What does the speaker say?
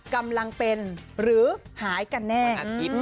กำลังเป็นหรือหายกันแน่